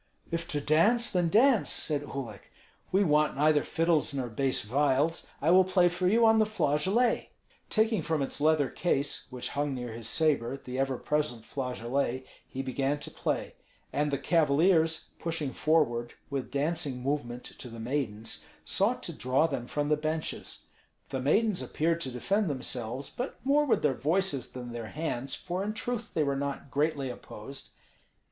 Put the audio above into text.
"If to dance, then dance," said Uhlik. "We want neither fiddles nor bass viols. I will play for you on the flageolet." Taking from its leather case which hung near his sabre the ever present flageolet, he began to play; and the cavaliers, pushing forward with dancing movement to the maidens, sought to draw them from the benches. The maidens appeared to defend themselves, but more with their voices than their hands, for in truth they were not greatly opposed.